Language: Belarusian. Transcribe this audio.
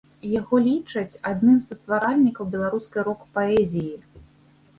Яго лічаць адным са стваральнікаў беларускай рок-паэзіі.